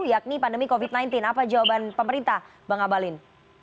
yakni pandemi covid sembilan belas apa jawaban pemerintah bang abalin